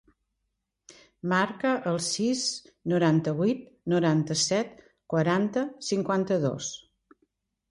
Marca el sis, noranta-vuit, noranta-set, quaranta, cinquanta-dos.